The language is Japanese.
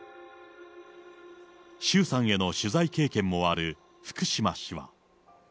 周さんへの取材経験もある福島氏は。